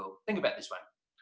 pertimbangkan tentang yang ini